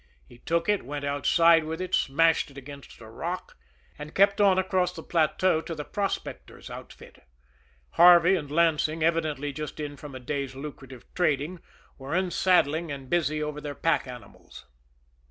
He took it, went outside with it, smashed it against a rock and kept on across the plateau to the prospectors' outfit. Harvey and Lansing, evidently just in from a day's lucrative trading, were unsaddling and busy over their pack animals.